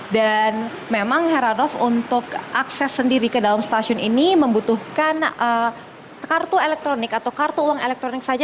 dan memang heranov untuk akses sendiri ke dalam stasiun ini membutuhkan kartu elektronik atau kartu uang elektronik saja